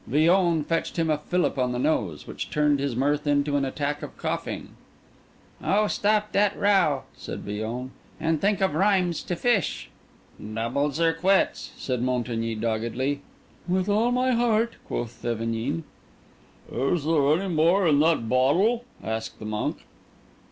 Villon fetched him a fillip on the nose, which turned his mirth into an attack of coughing. "Oh, stop that row," said Villon, "and think of rhymes to 'fish'." "Doubles or quits," said Montigny doggedly. "With all my heart," quoth Thevenin. "Is there any more in that bottle?" asked the monk.